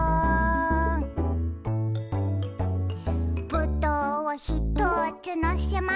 「ぶどうをひとつのせました」